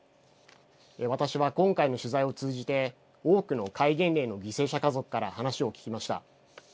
私は、今回の取材を通じて多くの戒厳令の犠牲者家族から話を聞きました。